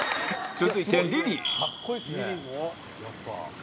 続いてリリー